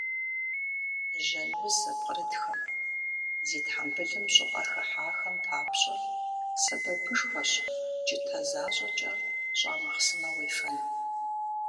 Жьэн уз зыпкърытхэм, зи тхьэмбылым щӀыӀэ хыхьахэм папщӏэ сэбэпышхуэщ кӀытэ защӀэкӀэ щӀа махъсымэ уефэну.